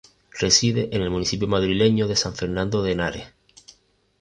Reside en el municipio madrileño de San Fernando de Henares.